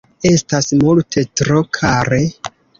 Estas multe tro kare.